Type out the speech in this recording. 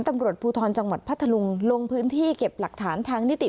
ตำรวจภูทรจังหวัดพัทธลุงลงพื้นที่เก็บหลักฐานทางนิติ